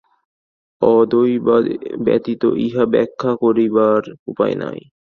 অদ্বৈতবাদ ব্যতীত ইহা ব্যাখ্যা করিবার উপায় নাই।